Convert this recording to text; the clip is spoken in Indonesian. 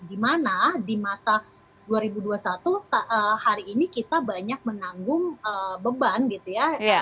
dimana di masa dua ribu dua puluh satu hari ini kita banyak menanggung beban gitu ya